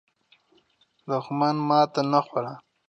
دښمن ماته نه خوړه.